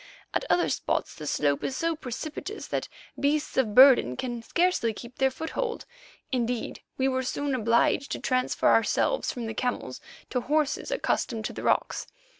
At other spots the slope is so precipitous that beasts of burden can scarcely keep their foothold; indeed, we were soon obliged to transfer ourselves from the camels to horses accustomed to the rocks.